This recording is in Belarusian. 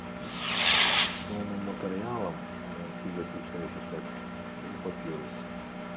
Асноўным матэрыялам, на якім запісвалі тэксты, быў папірус.